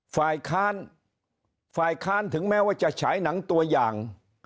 ฝ่ายค้านฝ่ายค้านถึงแม้ว่าจะฉายหนังตัวอย่าง